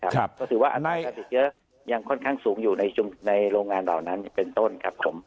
ก็คือว่าการติดเชื้อยังค่อนข้างสูงอยู่ในโรงงานเหล่านั้นเป็นต้นครับผม